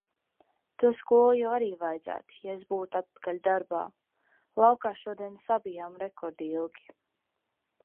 To skolu jau arī vajadzētu, ja es būtu atpakaļ darbā. Laukā šodien sabijām rekordilgi.